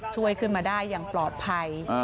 ช่วยขึ้นมาได้อย่างปลอดภัย